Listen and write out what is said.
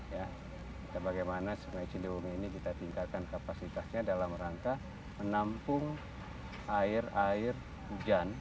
ya kita bagaimana sungai ciliwung ini kita tingkatkan kapasitasnya dalam rangka menampung air air hujan